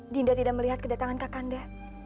dinda tidak melihat kedatangan kak kanda